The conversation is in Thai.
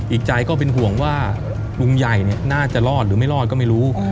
อีกใจก็เป็นห่วงว่าลุงใหญ่น่าจะรอดหรือไม่รอดก็ไม่รู้